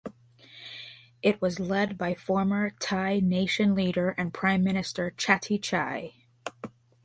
It was led by former Thai Nation leader and Prime Minister Chatichai.